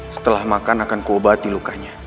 setelah makan akan koobati lukanya